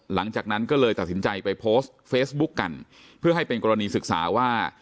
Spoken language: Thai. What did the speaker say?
หลังจากนั้นก็เลยตัดสินใจไปโพสต์เฟซบุ๊กกันเพื่อให้เป็นกรณีศึกษาว่า